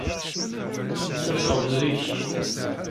Ttaseɣ-d zik.